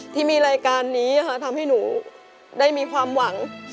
ที่มีรายการนี้ทำให้หนูได้มีความหวัง